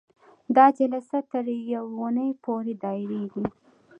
دا جلسه تر یوې اونۍ پورې دایریږي.